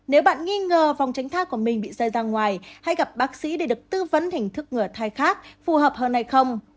nếu bạn nghi ngờ vòng tránh thai của mình bị rơi ra ngoài hay gặp bác sĩ để được tư vấn hình thức ngửa thai khác phù hợp hơn hay không